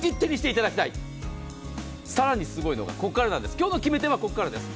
更にすごいのがここからなんです、今日の決め手はここからです。